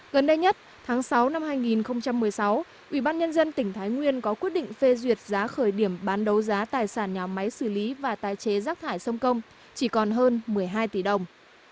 gần đây nhất tháng sáu năm hai nghìn một mươi sáu ubnd tỉnh thái nguyên có quyết định phê duyệt giá khởi điểm bán đấu giá tài sản nhà máy xử lý và tái chế rác thải sông công chỉ còn hơn một mươi hai tỷ đồng